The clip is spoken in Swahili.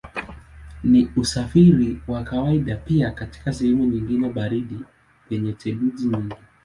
Ni usafiri wa kawaida pia katika sehemu nyingine baridi penye theluji nyingi.